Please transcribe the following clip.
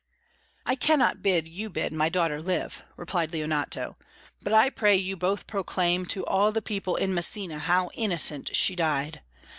"I cannot bid you bid my daughter live," replied Leonato, "but I pray you both proclaim to all the people in Messina how innocent she died.